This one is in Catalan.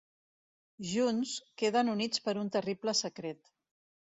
Junts, queden units per un terrible secret.